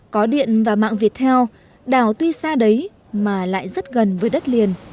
có điện và mạng việt theo đảo tuy xa đấy mà lại rất gần với đất liền